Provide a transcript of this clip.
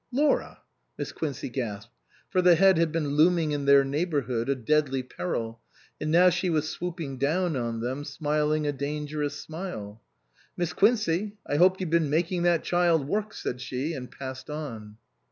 " Laura !" Miss Quincey gasped ; for the Head had been looming in their neighbourhood, a deadly peril, and now she was sweeping down on them, smiling a dangerous smile. " Miss Quincey, I hope you've been making that child work," said she and passed on.